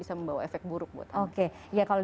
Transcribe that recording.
membawa efek buruk buat anak oke ya kalau